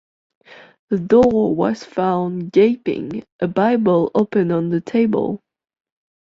The door was found gaping, a bible open on the table.